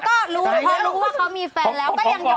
แล้วก็พอรู้ว่าเขามีแฟนแล้วก็ยังยอม